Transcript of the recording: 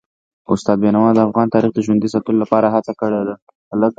استاد بینوا د افغان تاریخ د ژوندي ساتلو لپاره هڅه کړي ده.